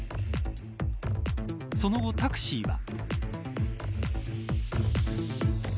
その後タクシーは。